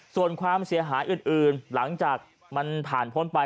ส่วนความเสียหายอื่นหลังจากมันผ่านพ้นไป